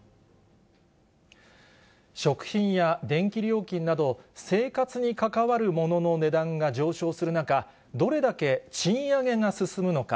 食品や電気料金など、生活に関わるものの値段が上昇する中、どれだけ賃上げが進むのか。